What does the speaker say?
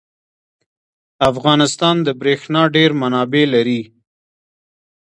افغانستان د بریښنا ډیر منابع لري.